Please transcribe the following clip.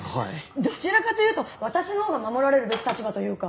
どちらかというと私のほうが守られるべき立場というか。